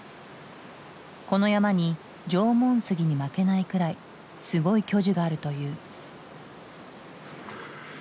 この山に縄文杉に負けないくらいすごい巨樹があるという。